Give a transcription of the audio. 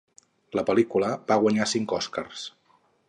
La pel·lícula va guanyar cinc Oscars.